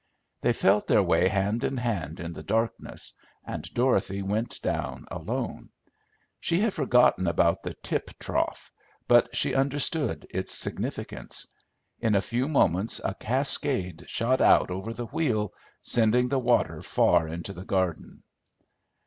They felt their way hand in hand in the darkness, and Dorothy went down alone. She had forgotten about the "tip trough," but she understood its significance. In a few moments a cascade shot out over the wheel, sending the water far into the garden.